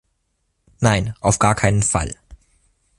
Nein, auf gar keinen Fall!